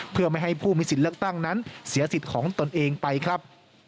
เพื่อไม่ให้ผู้มีสิทธิ์เลือกตั้งนั้นเสียสิทธิ์ของตนเองไปครับ